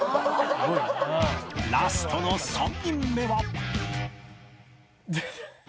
ラストの３人目は